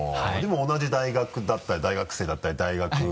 でも同じ大学だったり大学生だったり大学。